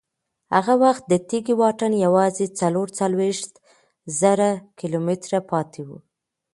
هغه وخت د تېږې واټن یوازې څلور څلوېښت زره کیلومتره پاتې و.